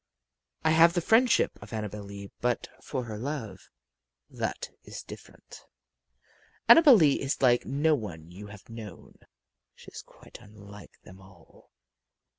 I have the friendship of Annabel Lee; but for her love, that is different. Annabel Lee is like no one you have known. She is quite unlike them all.